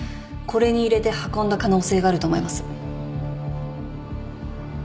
これに入れて運んだ可能性があると思います。